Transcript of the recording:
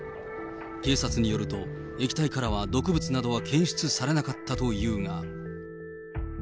警察によると、液体からは毒物などは検出されなかったというが。